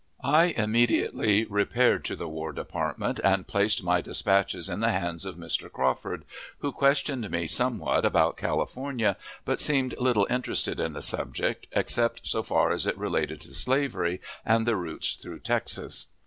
I immediately repaired to the War Department, and placed my dispatches in the hands of Mr. Crawford, who questioned me somewhat about California, but seemed little interested in the subject, except so far as it related to slavery and the routes through Texas.